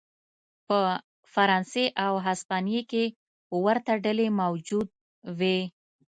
په فرانسې او هسپانیې کې ورته ډلې موجود وې.